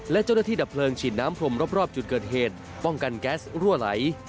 และเจ้าหน้าที่ดับเพลิงฉีดน้ำพรมรอบจุดเกิดเหตุป้องกันแก๊สรั่วไหล